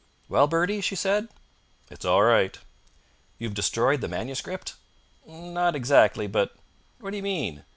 "Well, Bertie?" she said. "It's all right." "You have destroyed the manuscript?" "Not exactly; but " "What do you mean?"